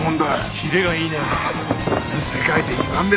キレがいいねえ。